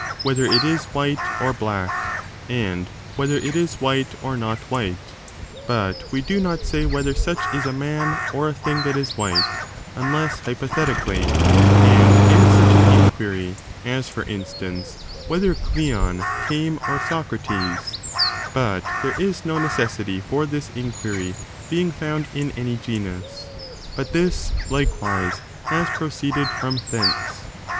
whether it is white or black, and whether it is white or not white— but we do not say whether such is a man or a thing that is white, unless hypothetically, and in such an inquiry, as, for instance, whether Cleon came or Socrates t but there is no necessity for this inquiry being found in any genus ; but this, likewise, has proceeded from thence.